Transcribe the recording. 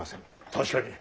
確かに。